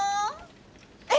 え？